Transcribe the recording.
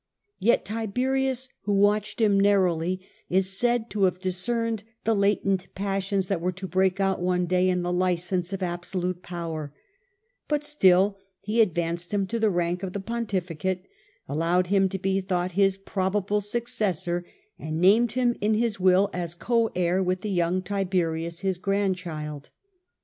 Yet Tibe rius, who watched him narrowly, is said to have discerned the latent passions that were to break out one day in the license of absolute power; but still he advanced him to the rank of the pontificate, allowed him to be thought his pro bable successor, and named him in his will as co heir with the young Tiberius, his grandchild.